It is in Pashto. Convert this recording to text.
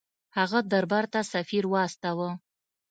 هغه دربار ته سفیر واستاوه.